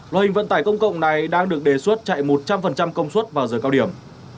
loại hình vận tải công cộng này đang được đề xuất chạy một trăm linh công suất vào giờ cao điểm